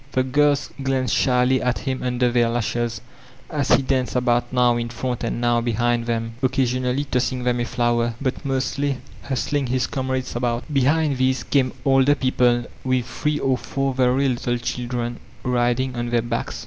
The girls The Triumph of Youth 457 ghnccd shyljr at him under their bshes as he danced about now in front and now behind them, occasionally tossing them a flower, bot mostly hustling his comrades about Behind these came older people with three or four irery little children riding on their backs.